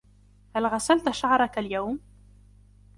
هل غسلت شعرك اليوم؟